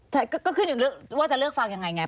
แต่ก็ขึ้นอยู่ว่าจะเลือกฟังยังไงไง